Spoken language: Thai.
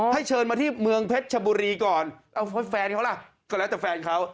เชิญมาที่เมืองเพชรชบุรีก่อนเอาแฟนเขาล่ะก็แล้วแต่แฟนเขา